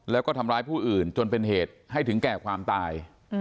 แล้วก็ทำร้ายผู้อื่นจนเป็นเหตุให้ถึงแก่ความตาย